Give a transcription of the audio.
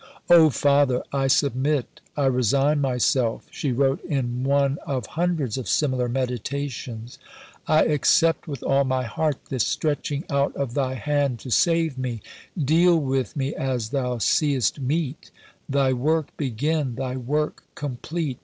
"O Father, I submit, I resign myself," she wrote in one of hundreds of similar meditations, "I accept with all my heart this stretching out of Thy hand to save me: Deal with me as Thou seest meet: Thy work begin, Thy work complete.